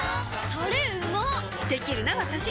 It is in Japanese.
タレうまっできるなわたし！